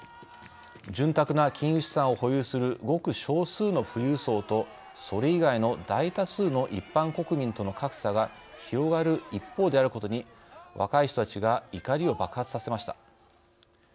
潤沢な金融資産を保有するごく少数の富裕層と、それ以外の大多数の一般国民との格差が広がる一方であることに若い人たちが怒りを爆発させました。